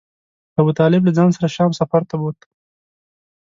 ابو طالب له ځان سره شام سفر ته بوته.